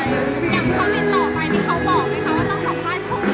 อย่างตอบไปนี่เค้าบอกอย่างไร